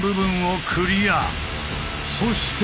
そして！